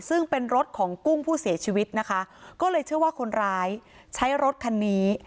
ซึ่งเป็นรถของกุ้งผู้เสียชีวิตนะคะก็เลยเชื่อว่าคนร้ายใช้รถคันนี้